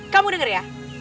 kamu denger ya